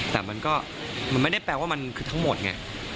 แต่มันก็มันไม่ได้แปลว่ามันคือทั้งหมดไง